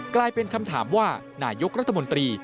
กลายเป็นคำถามว่านายกรัฐมนตรี